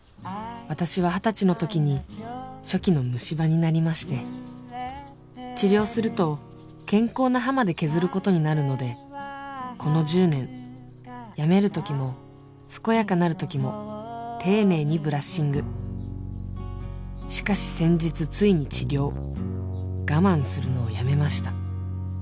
私は二十歳のときに初期の虫歯になりまして治療をすると健康な歯まで削ることになるのでこの１０年病めるときも健やかなるときも丁寧にブラッシングしかし先日ついに治療我慢するのをやめました